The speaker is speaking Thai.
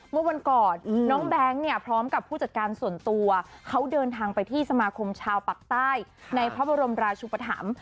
เมื่อวันก่อนน้องแบงค์เนี่ยพร้อมกับผู้จัดการส่วนตัวเขาเดินทางไปที่สมาคมชาวปากใต้ในพระบรมราชุปธรรม